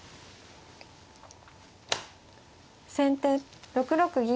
先手６六銀。